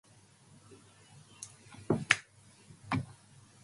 In order for the siding to be used the chock block must be removed.